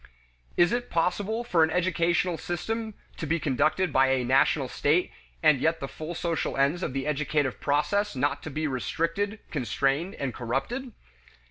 Is it possible for an educational system to be conducted by a national state and yet the full social ends of the educative process not be restricted, constrained, and corrupted?